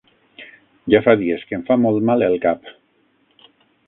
Ja fa dies que em fa molt mal el cap.